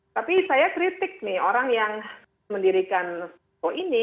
tapi saya kritik nih orang yang mendirikan foto ini